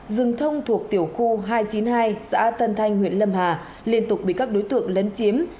rừng thông thuộc tiểu khu hai trăm chín mươi hai xã tân thanh huyện lâm hà liên tục bị các đối tượng lấn chiếm